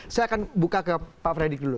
saya akan buka ke pak fredrik dulu